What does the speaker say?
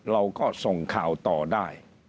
เราก็ส่งข่าวต่อได้